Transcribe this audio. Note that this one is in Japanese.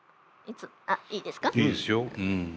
いいですか？